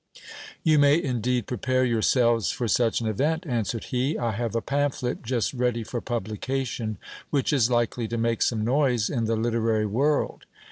You may indeed prepare yourselves for such an event, answered he : I have a pamphlet just ready for publication which is likely to make some noise in the literary world.